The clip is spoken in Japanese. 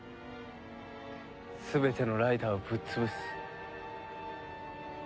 全てのライダーをぶっ潰す。